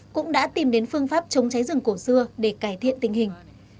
cũng đã tìm đến phương pháp chống cháy rừng cổ xưa để cải thiện tình hình